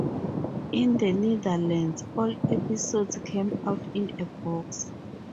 In the Netherlands, all episodes came out in a box.